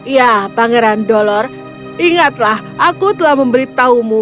ya pangeran dolor ingatlah aku telah memberitahumu